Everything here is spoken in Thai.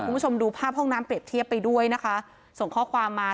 คุณผู้ชมดูภาพห้องน้ำเปรียบเทียบไปด้วยนะคะส่งข้อความมา